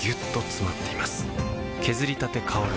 削りたて香る